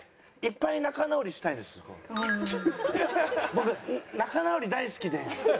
僕仲直り大好きで。